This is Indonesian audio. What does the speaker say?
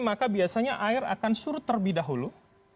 maka biasanya air akan surut terlebih dahulu